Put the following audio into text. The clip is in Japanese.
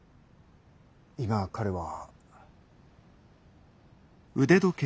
今彼は。